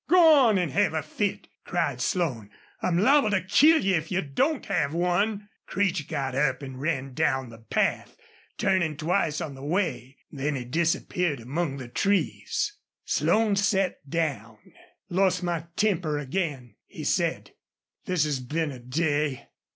"Go on and have a fit!" cried Slone. "I'm liable to kill you if you don't have one!" Creech got up and ran down the path, turning twice on the way. Then he disappeared among the trees. Slone sat down. "Lost my temper again!" he said. "This has been a day.